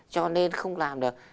cho nên không làm được